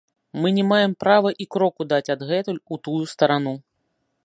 Мы не маем права і кроку даць адгэтуль у тую старану.